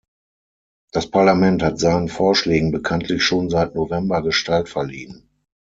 Das Parlament hat seinen Vorschlägen bekanntlich schon seit November Gestalt verliehen.